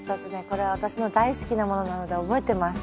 これは私の大好きなものなので覚えてます。